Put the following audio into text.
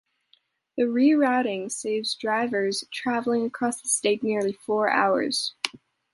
The rerouting saves drivers traveling across the state nearly four hours.